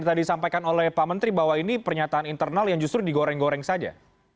tadi disampaikan oleh pak menteri bahwa ini pernyataan internal yang justru digoreng goreng saja